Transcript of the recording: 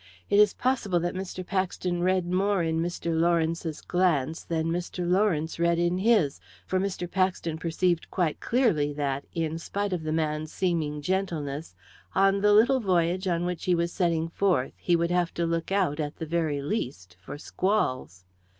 It is possible that Mr. Paxton read more in Mr. Lawrence's glance than Mr. Lawrence read in his, for Mr. Paxton perceived quite clearly that, in spite of the man's seeming gentleness, on the little voyage on which he was setting forth he would have to look out, at the very least, for squalls.